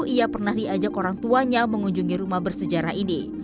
ia pernah diajak orang tuanya mengunjungi rumah bersejarah ini